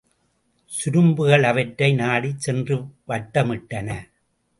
சுரும்புகள் அவற்றை நாடிச் சென்று வட்ட மிட்டன.